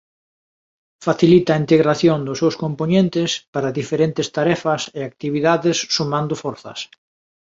Facilita a integración dos seus compoñentes para diferentes tarefas e actividades sumando forzas.